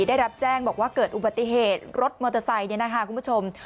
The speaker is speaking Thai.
ได้รับแจ้งบอกว่าเกิดอุบัติเหตุรถมอเตอร์ไซค์เนี่ยนะคะคุณผู้ชม